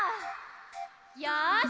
よし！